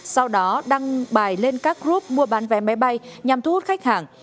sau đó đăng bài lên các group mua bán vé máy bay nhằm thu hút khách hàng